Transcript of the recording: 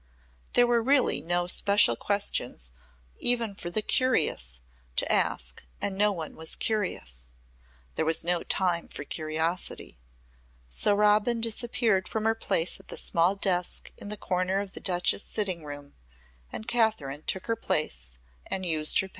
There were really no special questions even for the curious to ask and no one was curious. There was no time for curiosity. So Robin disappeared from her place at the small desk in the corner of the Duchess' sitting room and Kathryn took her place and used her pen.